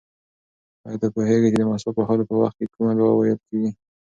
ایا ته پوهېږې چې د مسواک وهلو په وخت کې کومه دعا ویل کېږي؟